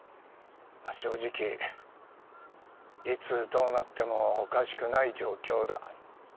正直いつどうなってもおかしくない状況だ。